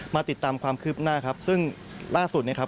มาติดตามความคืบหน้าครับซึ่งล่าสุดเนี่ยครับ